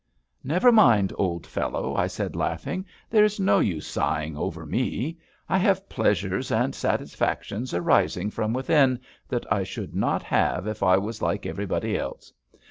"Never mind, old fellow," I said, laughing, "there is no use sighing over me. I have pleasures and satisfactions arising from within that I should not have if I was like everybody else.